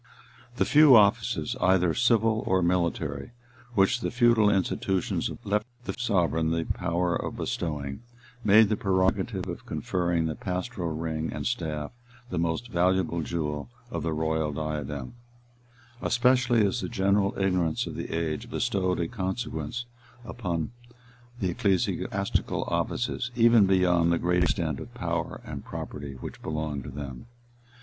30] The few offices, either civil or military, which the feudal institutions left the sovereign the power of bestowing, made the prerogative of conferring the pastoral ring and staff the most valuable jewel of the royal diadem: especially as the general ignorance of the age bestowed a consequence on the ecclesiastical offices, even beyond the great extent of power and property which belonged to them.